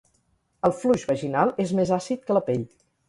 El fluix vaginal és més àcid que la pell.